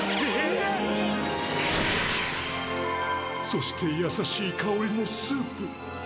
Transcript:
そしてやさしいかおりのスープ。